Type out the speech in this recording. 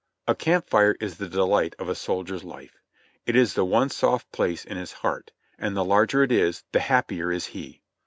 A camp fire is the delight of a soldier's life ; it is the one soft place in his heart ; and the larger it is, the happier is he.